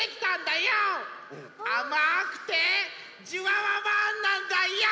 あまくてじゅわわわんなんだＹＯ！